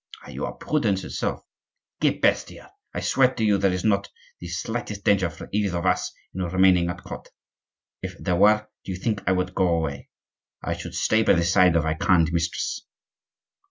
"You are prudence itself!" "Che bestia! I swear to you there is not the slightest danger for either of us in remaining at court. If there were, do you think I would go away? I should stay by the side of our kind mistress."